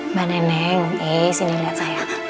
mba neneng eh sini liat saya